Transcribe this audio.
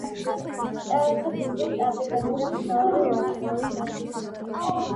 ტევესი გუნდის კაპიტანი და მთავარი ვარსკვლავი გახდა.